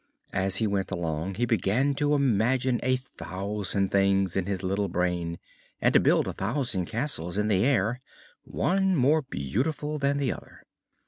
As he went along he began to imagine a thousand things in his little brain and to build a thousand castles in the air, one more beautiful than the other.